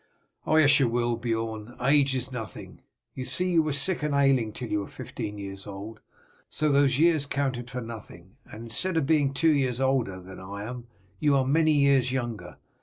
"Oh yes, you will, Beorn. Age is nothing. You see you were sick and ailing till you were fifteen years old, so those years counted for nothing, and instead of being two years older than I am you are many years younger.